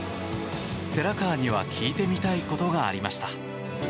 寺川には聞いてみたいことがありました。